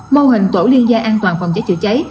mô hình tổ liên gia an toàn phòng cháy chữa cháy